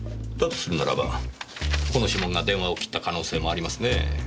だとするならばこの指紋が電話を切った可能性もありますね。